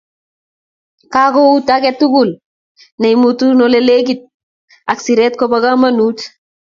Kakuout age tugul ne imutun ole lekit ak siret kopo kamanut